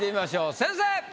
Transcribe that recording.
先生！